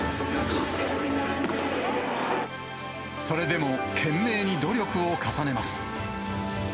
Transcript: それでも、懸命に努力を重ねます。